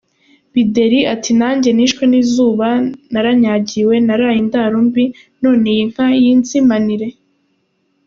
Bideri, ati Nanjye nishwe n’izuba, naranyagiwe naraye indaro mbi, none iyi nka yinzimanire”.